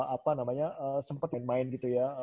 apa namanya sempat main main gitu ya